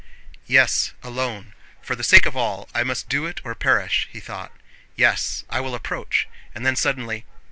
"Yes, alone, for the sake of all, I must do it or perish!" he thought. "Yes, I will approach... and then suddenly...